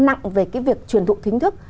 nặng về cái việc truyền thụ thính thức